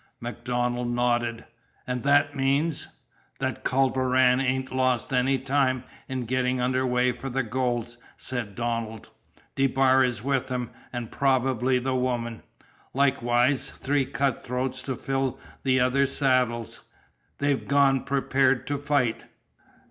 MacDonald nodded. "And that means " "That Culver Rann ain't lost any time in gettin' under way for the gold," said Donald. "DeBar is with him, an' probably the woman. Likewise three cut throats to fill the other saddles. They've gone prepared to fight."